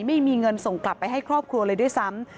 ไม่มีเงินส่งกลับไปให้ครอบครัวเลยด้วยซ้ำ